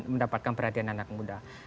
mendapatkan perhatian anak muda